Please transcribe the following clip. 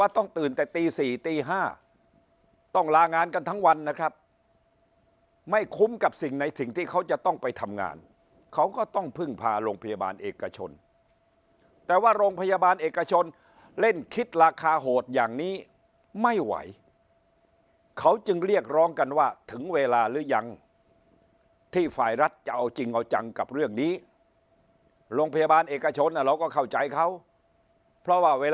ต้องตื่นแต่ตี๔ตี๕ต้องลางานกันทั้งวันนะครับไม่คุ้มกับสิ่งในสิ่งที่เขาจะต้องไปทำงานเขาก็ต้องพึ่งพาโรงพยาบาลเอกชนแต่ว่าโรงพยาบาลเอกชนเล่นคิดราคาโหดอย่างนี้ไม่ไหวเขาจึงเรียกร้องกันว่าถึงเวลาหรือยังที่ฝ่ายรัฐจะเอาจริงเอาจังกับเรื่องนี้โรงพยาบาลเอกชนเราก็เข้าใจเขาเพราะว่าเวลา